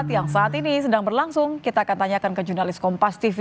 yang saat ini sedang berlangsung kita akan tanyakan ke jurnalis kompas tv